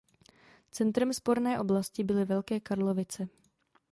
Centrem sporné oblasti byly Velké Karlovice.